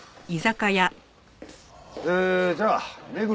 えーじゃあ目黒